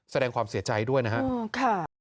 แสดงความเสียใจด้วยนะฮะอืมค่ะ